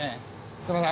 すいません。